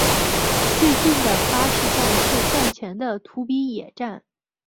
最近的巴士站是站前的土笔野站。